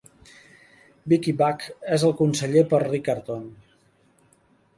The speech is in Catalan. Vicki Buck és el Conseller per Riccarton.